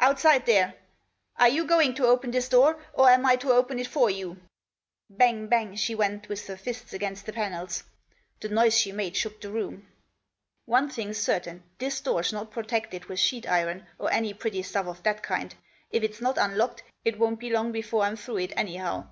Outside there ! Are you going to open this door, or am I to open it for you ?" Bang, bang she went with her fists against the panels. The noise she made shook the room. " One thing's certain, this door's not protected with sheet iron, or any pretty stuff of that kind. If it's not unlocked it won't be long before I'm through it, anyhow.